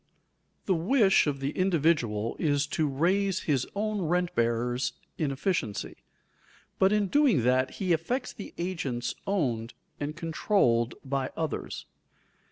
_ The wish of the individual is to raise his own rent bearers in efficiency, but in doing that he affects the agents owned and controlled by others.